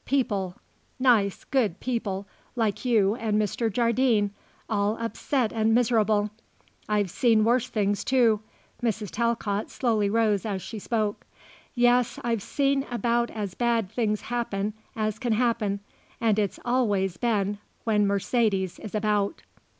People, nice, good people, like you and Mr. Jardine, all upset and miserable. I've seen worse things, too," Mrs. Talcott slowly rose as she spoke. "Yes, I've seen about as bad things happen as can happen, and it's always been when Mercedes is about."